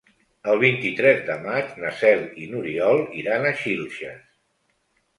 El vint-i-tres de maig na Cel i n'Oriol iran a Xilxes.